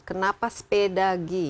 kenapa sepeda ge